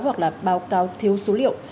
hoặc là báo cáo thiếu số liệu